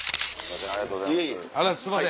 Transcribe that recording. ありがとうございます。